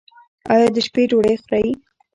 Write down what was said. ایا د شپې ډوډۍ خورئ؟